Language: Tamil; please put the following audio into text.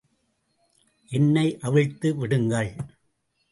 என்னை அவிழ்த்து விடுங்கள்.